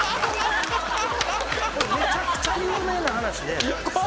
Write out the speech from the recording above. めちゃくちゃ有名な話で。